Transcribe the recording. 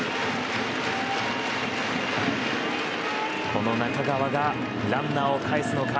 この中川がランナーをかえすのか。